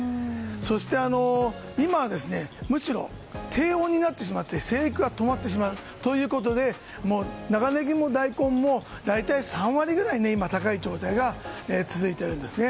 そして今はむしろ低温になってしまって生育が止まってしまうということで長ネギも大根も大体３割ぐらい今、高い状態が続いているんですね。